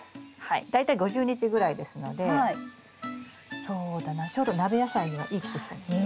大体５０日ぐらいですのでそうだなちょうど鍋野菜にはいい季節なんじゃないですか。